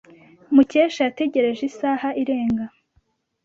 Mukesha yategereje isaha irenga.